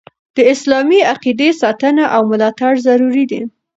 د اسلامي عقیدي ساتنه او ملاتړ ضروري دي.